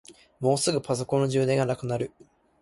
もうすぐパソコンの充電がなくなる。